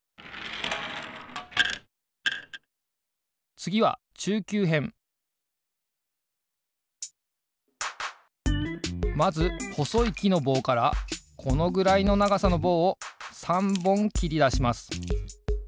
つぎはまずほそいきのぼうからこのぐらいのながさのぼうを３ぼんきりだします。